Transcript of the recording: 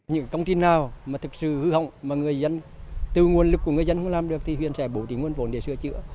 những công trình nào mà thực sự hư hỏng mà người dân từ nguồn lực của người dân không làm được thì huyện sẽ bổ trí nguồn vốn để sửa chữa